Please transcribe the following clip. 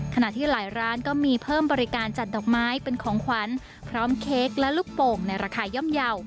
ขณะที่หลายร้านก็มีเพิ่มบริการจัดดอกไม้เป็นของขวัญพร้อมเค้กและลูกโป่งในราคาย่อมเยาว์